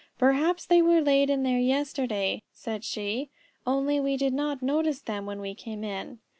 "Perhaps they were laid in there yesterday," said she, "only we did not notice them when we came in."